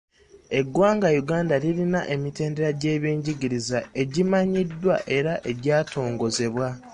Eggwanga Uganda lirina emitendera gy’ebyenjigiriza egimanyiddwa era egyatongozebwa.